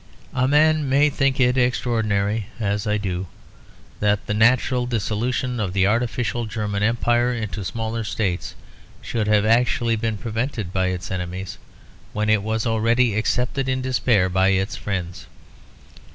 A man may think it extraordinary, as I do, that the natural dissolution of the artificial German Empire into smaller states should have actually been prevented by its enemies, when it was already accepted in despair by its friends.